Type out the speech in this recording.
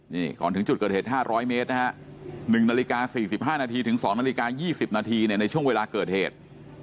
นี่ก่อนถึงจุดเกิดเหตุ๕๐๐เมตรนะฮะ๑นาฬิกา๔๕นาทีถึง๒นาฬิกา๒๐นาทีในช่วงเวลาเกิดเหตุ